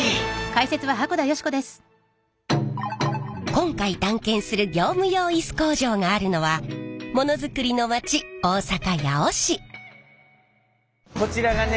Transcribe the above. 今回探検する業務用イス工場があるのはものづくりの町こちらがね